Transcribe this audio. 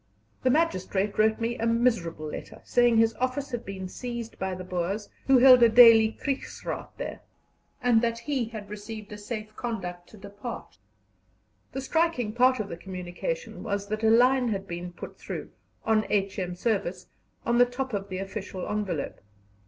The magistrate wrote me a miserable letter, saying his office had been seized by the Boers, who held a daily Kriegsraad there, and that he had received a safe conduct to depart. The striking part of the communication was that a line had been put through "On H.M. Service" on the top of the official envelope.